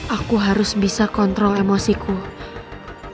aku harus bisa kontrol emosiku aku harus jaga perasaan ibu